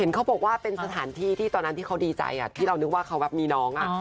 เห็นเขาบอกว่าเป็นสถานที่ตอนนั้นที่เขาดีใจอะที่เรานึกว่ามีน้องอะ